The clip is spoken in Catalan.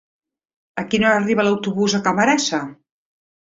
A quina hora arriba l'autobús de Camarasa?